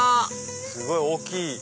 すごい大きい。